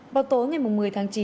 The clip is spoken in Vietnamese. bào tối ngày một mươi tháng chín